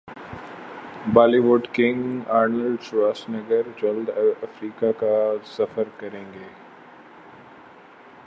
Bali would king Arnold Schwarzenegger جلد افریقہ کاسفر کریں گے